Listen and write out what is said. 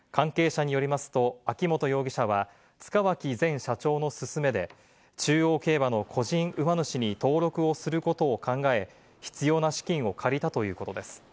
関係者によりますと、秋本容疑者は塚脇前社長のすすめで中央競馬の個人馬主に登録をすることを考え、必要な資金を借りたということです。